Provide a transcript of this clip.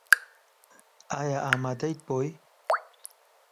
ئایا ئامادەیت بۆی؟